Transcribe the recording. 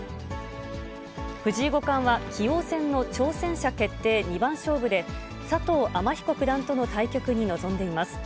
藤井五冠は、棋王戦の挑戦者決定二番勝負で、佐藤天彦九段との対局に臨んでいます。